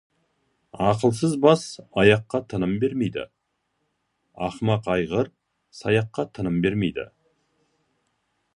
Ақылсыз бас аяққа тыным бермейді, ақымақ айғыр саяққа тыным бермейді.